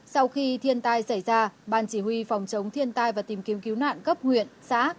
sau khi thiên tai xảy ra ban chỉ huy phòng chống thiên tai và tìm kiếm cứu nạn cấp huyện xã